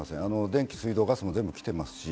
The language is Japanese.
電気、水道、ガスも全部来ていますし。